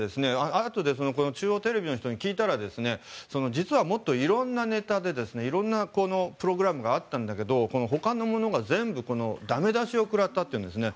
あとで中央テレビの人に聞いたら実はもっと色んなネタで色んなプログラムがあったんだけどほかのものが全部駄目出しを食らったというんですね。